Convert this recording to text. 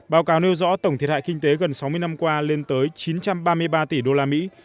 báo cáo nêu rõ tổng thiệt hại kinh tế gần sáu mươi năm qua lên tới chín trăm ba mươi ba tỷ usd